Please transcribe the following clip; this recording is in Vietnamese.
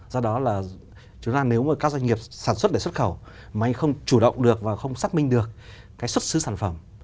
do đó là chúng ta nếu mà các doanh nghiệp sản xuất để xuất khẩu mà anh không chủ động được và không xác minh được cái xuất xứ sản phẩm